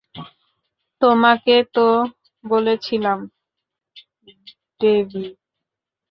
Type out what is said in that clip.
তোমাকে তো বলেছিলাম, ডেভি।